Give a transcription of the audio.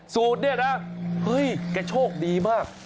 สูตรเนี่ยนะเฮ้ยแกโชคดีมาก